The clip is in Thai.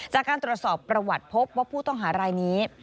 จากการตรวจสอบประวัติพบว่าผู้ต้องหารายนี้